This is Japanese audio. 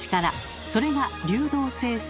それが流動性推理。